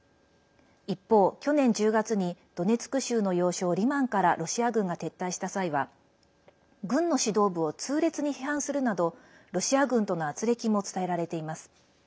一方、去年１０月にドネツク州の要衝リマンからロシア軍が撤退した際は軍の指導部を痛烈に批判するなどロシア軍とのあつれきも伝えられています。